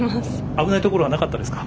危ないところはなかったですか？